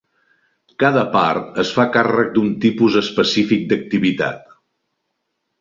Cada part es fa càrrec d'un tipus específic d'activitat.